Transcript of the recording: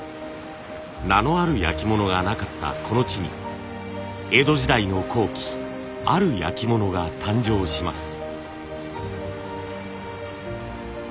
名のある焼き物がなかったこの地に江戸時代の後期ある焼き物が誕生します。